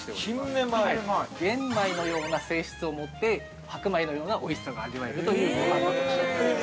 ◆玄米のような性質を持って、白米のようなおいしさが味わえるというごはんに仕上がっております。